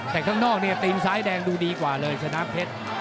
แต่ข้างนอกเนี่ยตีนซ้ายแดงดูดีกว่าเลยชนะเพชร